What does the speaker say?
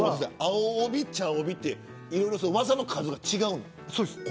青帯、茶帯って技の数が違うの。